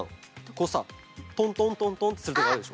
ここさトントントントンってするとこあるでしょ。